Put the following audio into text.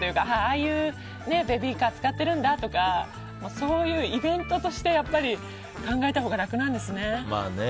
ああいうベビーカー使ってるんだとかそういうイベントとして考えたほうが楽なんですね。